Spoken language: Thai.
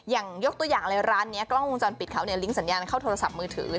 ยกตัวอย่างเลยร้านนี้กล้องวงจรปิดเขาเนี่ยลิงกสัญญาณเข้าโทรศัพท์มือถือ